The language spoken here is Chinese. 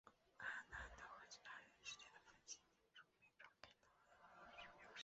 阿南德和其他人之间的分歧在筹备召开党内会议时飙升。